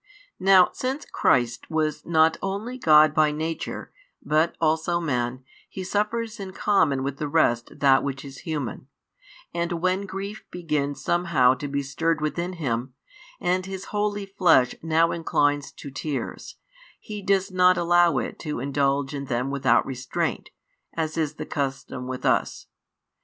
Now since Christ was not only God by Nature, but; also Man, He suffers in common with the rest that which is human; and when grief begins somehow to be stirred |122 within Him, and His Holy Flesh now inclines to tears, He does not allow It to indulge in them without restraint, as is the custom with us.